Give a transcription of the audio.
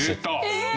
えっ！